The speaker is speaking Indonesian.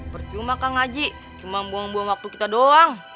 bercuma kak ngaji cuma buang buang waktu kita doang